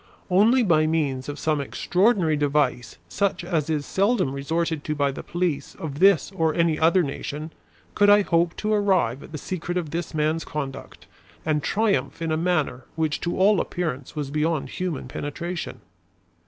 Only by means of some extraordinary device such as is seldom resorted to by the police of this or any other nation, could I hope to arrive at the secret of this man's conduct, and triumph in a matter which to all appearance was beyond human penetration.